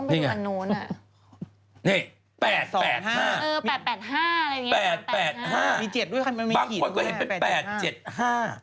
ต้องไปดูอันนู้นอะ